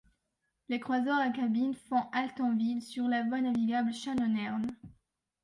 Les croiseurs à cabine font halte en ville, sur la voie navigable Shannon-Erne.